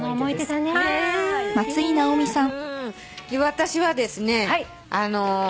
私はですねあの。